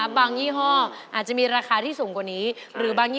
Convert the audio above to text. น่าเสียดายมากเลย